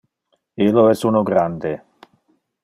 Illo es uno grande.